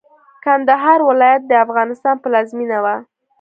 کندهار ولايت د افغانستان پلازمېنه وه.